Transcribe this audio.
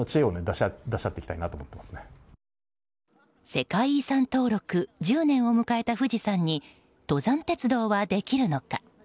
世界遺産登録１０年を迎えた富士山に登山鉄道はできるのか。